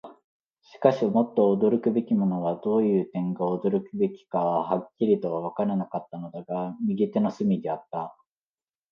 しかし、もっと驚くべきものは、どういう点が驚くべきかははっきりとはわからなかったのだが、右手の隅であった。